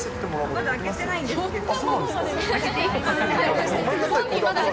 まだ開けてないんですけど。